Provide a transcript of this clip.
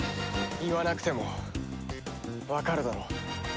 言わなくてもわかるだろ。